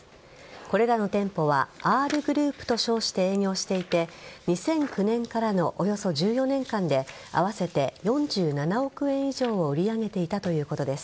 これらの店舗はＲグループと称して営業していて２００９年からのおよそ１４年間で合わせて４７億円以上を売り上げていたということです。